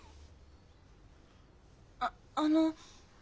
ああの。